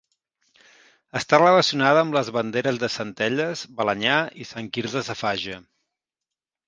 Està relacionada amb les banderes de Centelles, Balenyà i Sant Quirze Safaja.